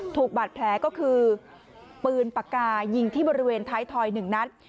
ถูกบาดแผลก็คือปืนปากกายิงที่บริเวณท้ายทอย๑นัด